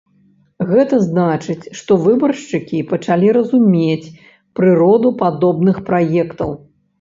Гэта значыць, што выбаршчыкі пачалі разумець прыроду падобных праектаў.